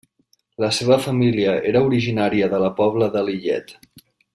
La seva família era originària de la Pobla de Lillet.